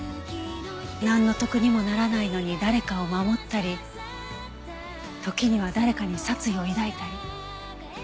なんの得にもならないのに誰かを守ったり時には誰かに殺意を抱いたり。